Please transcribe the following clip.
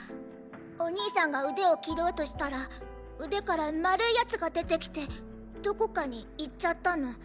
おにぃさんがうでをきろうとしたらうでからまるいやつが出てきてどこかにいっちゃったの。